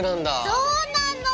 そうなの。